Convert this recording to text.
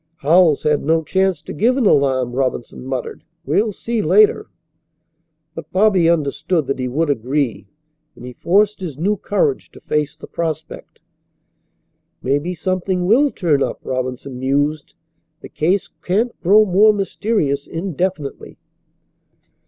"Howells had no chance to give an alarm," Robinson muttered. "We'll see later." But Bobby understood that he would agree, and he forced his new courage to face the prospect. "Maybe something will turn up," Robinson mused. "The case can't grow more mysterious indefinitely."